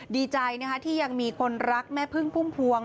ดีใจนะคะที่ยังมีคนรักแม่พึ่งพุ่มพวง